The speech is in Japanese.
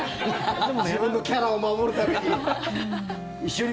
自分のキャラを守るために。